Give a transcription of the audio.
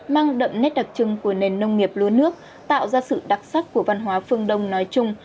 mang đậm nét đặc trưng của nền nông nghiệp lúa nước tạo ra sự đặc sắc của văn hóa phương đông nói chung